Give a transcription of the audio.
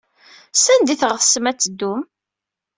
Sanda ay tɣetsem ad teddum?